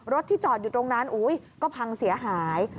ที่จอดอยู่ตรงนั้นก็พังเสียหาย